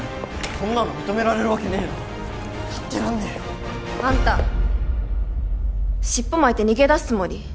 こんなの認められるわけねえだろやってらんねえよあんた尻尾巻いて逃げ出すつもり？